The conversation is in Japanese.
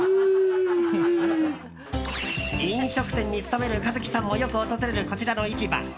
飲食店に勤めるかずきさんもよく訪れるこちらの市場。